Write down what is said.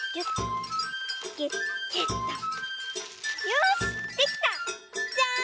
よしできた！じゃん！